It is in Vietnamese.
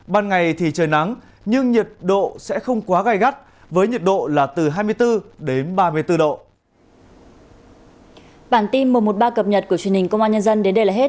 ban ngày thì trời nắng nhưng nhiệt độ sẽ không quá gai gắt với nhiệt độ là từ hai mươi bốn đến ba mươi bốn độ